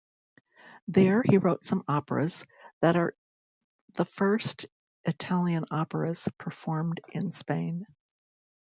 There, he wrote some operas that are the first Italian operas performed in Spain.